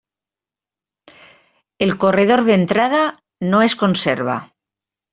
El corredor d'entrada no es conserva.